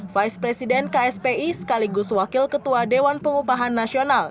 vice president kspi sekaligus wakil ketua dewan pengupahan nasional